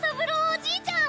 おじいちゃん！